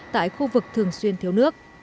tại khu vực thường xuyên thiếu nước